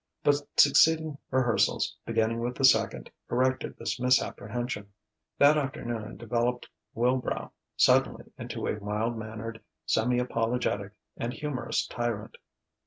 But succeeding rehearsals beginning with the second corrected this misapprehension. That afternoon developed Wilbrow suddenly into a mild mannered, semi apologetic, and humorous tyrant.